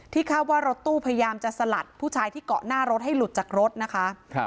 คาดว่ารถตู้พยายามจะสลัดผู้ชายที่เกาะหน้ารถให้หลุดจากรถนะคะ